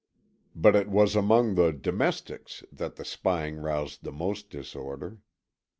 But it was among the domestics that the spying roused the most disorder.